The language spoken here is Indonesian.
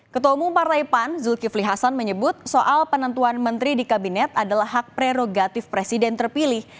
ketua umum partai pan zulkifli hasan menyebut soal penentuan menteri di kabinet adalah hak prerogatif presiden terpilih